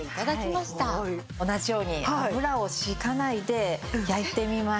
同じように油を引かないで焼いてみます。